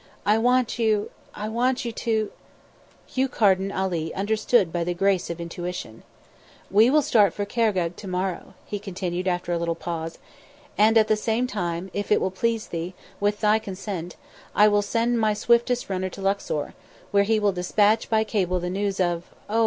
"I want you I want you to " Hugh Carden Ali understood by the grace of intuition. "We will start for Khargegh to morrow," he continued after a little pause. "And at the same time if it will please thee, with thy consent I will send my swiftest runner to Luxor, where he will despatch by cable the news of oh!